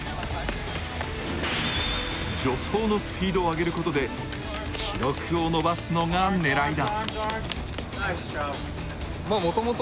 助走のスピードを上げることで、記録を伸ばすのが狙いだ。